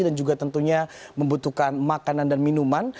dan juga tentunya membutuhkan makanan dan minuman